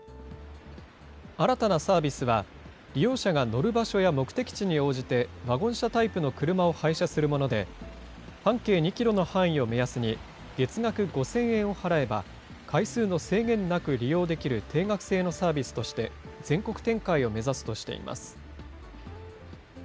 新たなサービスは、利用者が乗る場所や目的地に応じて、ワゴン車タイプの車を配車するもので、半径２キロの範囲を目安に、月額５０００円を払えば、回数の制限なく利用できる定額制のサービスとして、全国展開を目指すとしています。